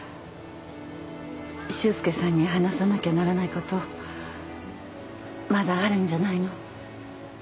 修介さんに話さなきゃならないことまだあるんじゃないの？